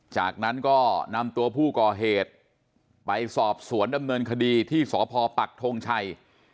จากนั้นก็นำตัวผู้ก่อเหตุไปสอบสวนดำเนินคดีที่สพปักทงชัย